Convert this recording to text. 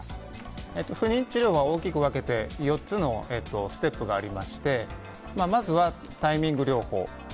不妊治療は大きく分けて４つのステップがありましてまずはタイミング療法。